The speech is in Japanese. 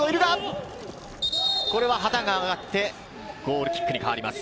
これは旗が上がってゴールキックに変わります。